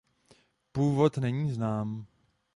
Původ není znám.